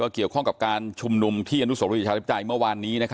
เกี่ยวข้องกับการชุมนุมที่อณุโสกธุระดิษฐาลิปจัยเมื่อวานนี้